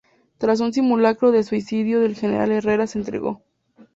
Tras un simulacro de suicidio el general Herrera se entregó.